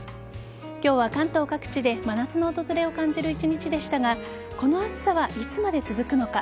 今日は関東各地で真夏の訪れを感じる一日でしたがこの暑さはいつまで続くのか。